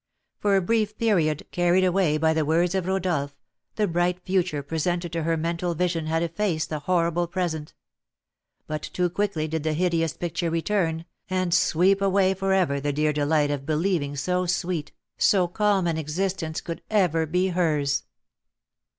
For a brief period, carried away by the words of Rodolph, the bright future presented to her mental vision had effaced the horrible present; but too quickly did the hideous picture return, and sweep away for ever the dear delight of believing so sweet, so calm an existence could ever be hers.